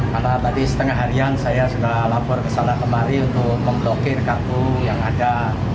karena tadi setengah harian saya sudah lapor kesalahan kemari untuk memblokir kartu yang ada